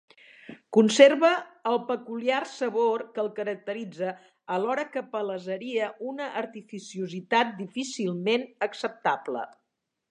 Conserve el peculiar sabor que el caracteritza, alhora que palesaria una artificiositat difícilment acceptable.